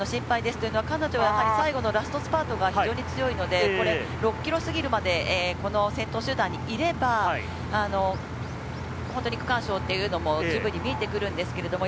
というのは、彼女は最後のラストスパートが非常に強いので、これ６ｋｍ過ぎるまで先頭集団にいれば区間賞というのも十分に見えてくるんですけれども。